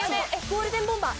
ゴールデンボンバー！